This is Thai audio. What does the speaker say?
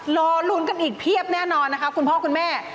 รองรุนกันอีกเภียบแน่นอนของคุณพ่อคุณแม่